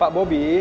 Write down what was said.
pak bobi pak